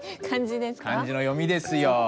漢字の読みですよ。